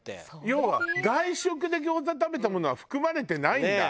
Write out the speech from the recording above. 要は外食で餃子食べたものは含まれてないんだ。